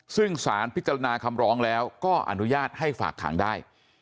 ซึ่งสารพิจารณาคำร้องแล้วก็อนุญาตให้ฝากขังได้